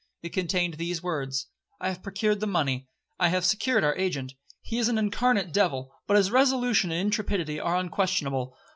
It contained these words: 'I have procured the money—I have secured our agent. He is an incarnate devil, but his resolution and intrepidity are unquestionable.